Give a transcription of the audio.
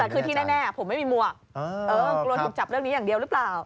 เออโรงถูกจับเรื่องนี้อย่างเดียวรึเปล่า